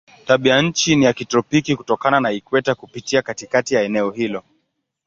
Tabianchi ni ya kitropiki kutokana na ikweta kupita katikati ya eneo hilo.